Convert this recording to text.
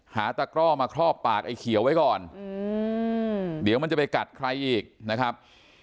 ตะกร่อมาครอบปากไอ้เขียวไว้ก่อนเดี๋ยวมันจะไปกัดใครอีกนะครับ